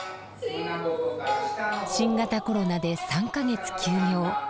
新型コロナで３か月休業。